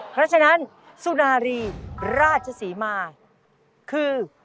เพราะฉะนั้นสุนารีราชศรีมาคือ